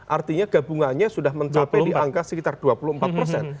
artinya gabungannya sudah mencapai di angka sekitar dua puluh empat persen